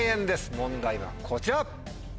問題はこちら。